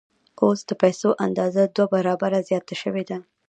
اوس د پیسو اندازه دوه برابره زیاته شوې ده